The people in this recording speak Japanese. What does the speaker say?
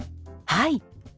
はい。